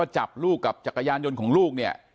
จับลูกกับจักรยานยนต์ของลูกเนี่ย